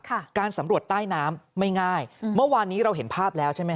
การสำรวจใต้น้ำไม่ง่ายอืมเมื่อวานนี้เราเห็นภาพแล้วใช่ไหม